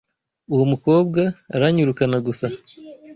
Uwo mukobwa aranyirukana gusa.